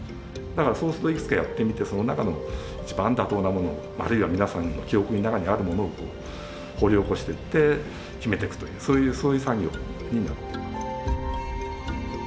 だからそうするといくつかやってみてその中の一番妥当なものをあるいは皆さんの記憶の中にあるものを掘り起こしていって決めていくというそういう作業になっています。